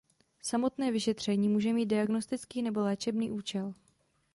Samotné vyšetření může mít diagnostický nebo léčebný účel.